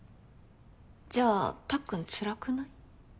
じゃあたっくんつらくない？